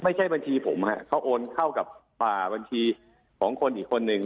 ไม่ใช่บัญชีผมฮะเขาโอนเข้ากับบัญชีของคนอีกคนนึง